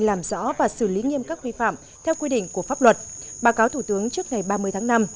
làm rõ và xử lý nghiêm các vi phạm theo quy định của pháp luật báo cáo thủ tướng trước ngày ba mươi tháng năm